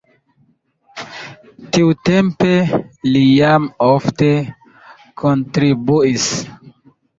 Tiutempe li jam ofte kontribuis.